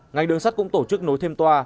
ngành đường sắt cũng tổ chức nối thêm toa